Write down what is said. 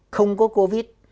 không có covid